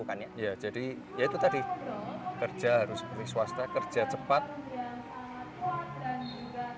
contohnya lah maka truskdon karena dia sudah bisa merupakan phd ilmu studies tapi